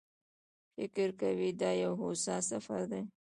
فکر کوي دا یو هوسا سفر دی.